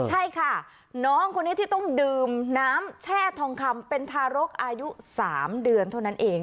ใช่ค่ะน้องคนนี้ที่ต้องดื่มน้ำแช่ทองคำเป็นทารกอายุ๓เดือนเท่านั้นเอง